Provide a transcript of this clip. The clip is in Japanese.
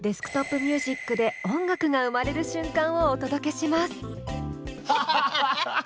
ＤｅｓｋＴｏｐＭｕｓｉｃで音楽が生まれる瞬間をお届けします。